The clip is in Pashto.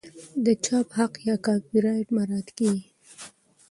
د چاپ حق یا کاپي رایټ مراعات کیږي.